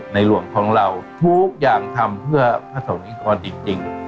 ในหลวงของเราทุกอย่างทำเพื่อพระสมิงคลจริงจริง